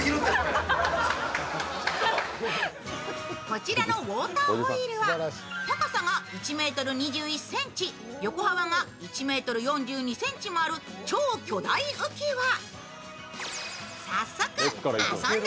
こちらのウォーターホイールは高さが１ｍ２１ｃｍ、横幅が１ｍ４２ｃｍもある超巨大浮き輪。